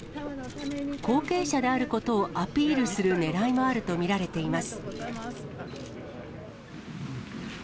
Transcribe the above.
後継者であることをアピールするねらいがあると見られています。